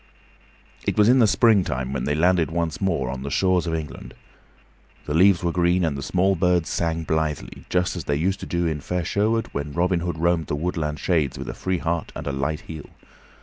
It was in the springtime when they landed once more on the shores of England. The leaves were green and the small birds sang blithely, just as they used to do in fair Sherwood when Robin Hood roamed the woodland shades with a free heart and a light heel.